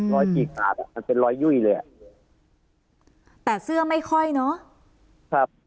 ฉีกขาดอ่ะมันเป็นรอยยุ่ยเลยอ่ะแต่เสื้อไม่ค่อยเนอะครับ